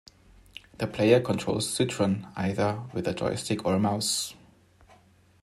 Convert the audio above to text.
The player controls Cytron either with a joystick or a mouse.